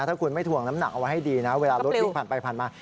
ถ้าคุณไม่ถ่วงน้ำหนักเอาไว้ให้ดีนะเวลารถวิ่งผ่านไปผ่านมา